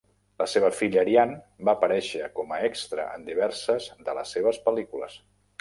La seva filla Arianne va aparèixer com a extra en diverses de les seves pel·lícules.